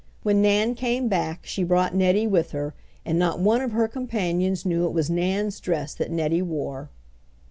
When Nan came back she brought Nettie with her, and not one of her companions knew it was Nan's dress that Nettie wore.